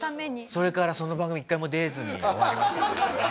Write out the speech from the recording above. それからその番組１回も出れずに終わりましたからね。